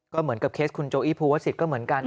ก็เหมือนกับเคสคุณโจอี้ภูวศิษย์ก็เหมือนกัน